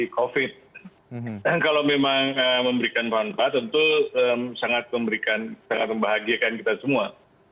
kalau memang memberikan manfaat tentu sangat memberikan sangat membahagiakan kita semua